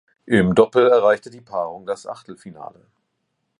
Im Doppel erreichte die Paarung das Achtelfinale.